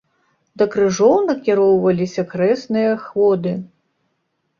Да крыжоў накіроўваліся хрэсныя ходы.